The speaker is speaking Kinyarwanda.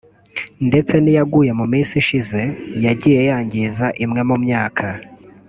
ndetse n’iyaguye mu minsi ishize yagiye yangiza imwe mu myaka